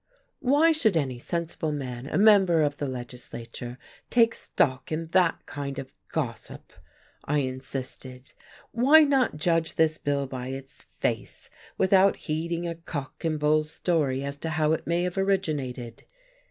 "Why should any sensible man, a member of the legislature, take stock in that kind of gossip?" I insisted. "Why not judge this bill by its face, without heeding a cock and bull story as to how it may have originated?